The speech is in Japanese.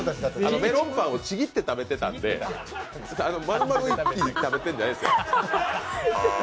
メロンパンをちぎって食べてたんで、丸々１個食べてたんじゃないんですよ。